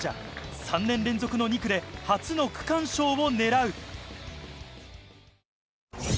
３年連続の２区で初の区間賞を狙う。